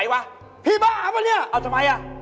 พี่บ้าปะเนี่ยพี่มีสมองไหมพี่บ้าปะเนี่ยเอาทำไมล่ะ